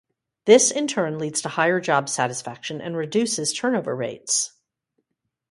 This, in turn, leads to higher job satisfaction and reduces turnover rates.